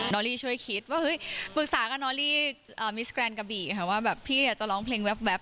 อรี่ช่วยคิดว่าเฮ้ยปรึกษากับนอรี่มิสแกรนดกะบี่ค่ะว่าแบบพี่จะร้องเพลงแว๊บ